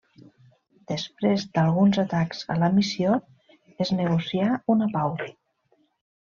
Després d'alguns atacs a la missió, es negocià una pau.